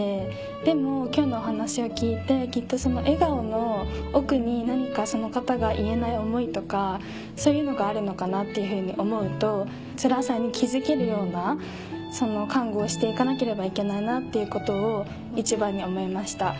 でも今日のお話を聞いてきっとその笑顔の奥に何かその方が言えない思いとかそういうのがあるのかなっていうふうに思うとつらさに気付けるような看護をしていかなければいけないなっていうことを一番に思いました。